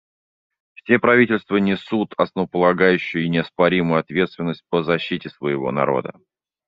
Все правительства несут основополагающую и неоспоримую ответственность по защите своего народа.